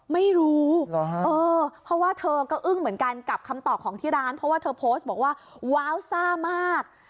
ไม่รู้เพราะว่าเธอก็อึ้งเหมือนกันกับคำตอบของที่ร้านเพราะว่าเธอโพสต์บอกว่าว้าวซ่ามาก